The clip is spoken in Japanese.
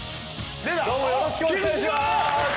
どうもよろしくお願いしまーす。